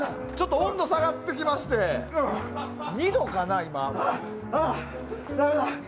温度下がってきまして２度かな、今。